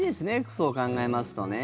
そう考えますとね。